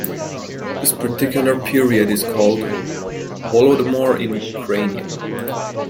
This particular period is called "Holodomor" in Ukrainian.